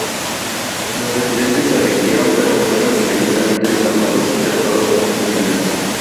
Los resistentes se rindieron pero fueron inmediatamente desarmados y tratados como prisioneros.